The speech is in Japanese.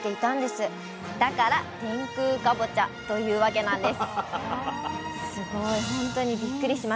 だから天空かぼちゃというわけなんです